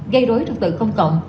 gây rối trật tự công cộng